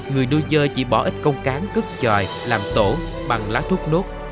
người nuôi dơi chỉ bỏ ít công cán cất tròi làm tổ bằng lá thuốc nốt